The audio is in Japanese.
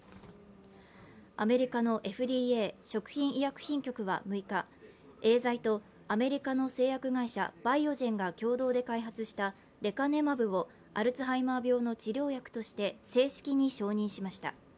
アメリカのＦＤＡ＝食品医薬品局は６日、エーザイとアメリカの製薬会社バイオジェンが共同で開発したレカネマブをアルツハイマー病の治療薬として正式に承認しました。